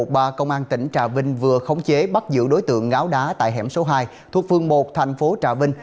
bang tỉnh trà vinh vừa khống chế bắt giữ đối tượng ngáo đá tại hẻm số hai thuộc phương một thành phố trà vinh